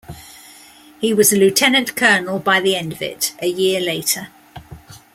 He was a lieutenant colonel by the end of it, a year later.